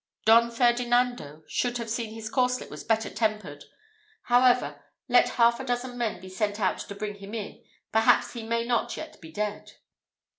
Don Ferdinando should have seen his corslet was better tempered. However, let half a dozen men be sent out to bring him in, perhaps he may not yet be dead."